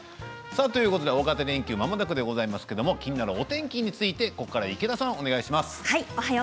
ということで大型連休まもなくでございますけれども、気になるお天気についてここからは池田さんお願いします。